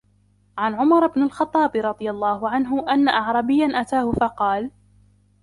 عَنْ عُمَرَ بْنِ الْخَطَّابِ رَضِيَ اللَّهُ عَنْهُ أَنَّ أَعْرَابِيًّا أَتَاهُ فَقَالَ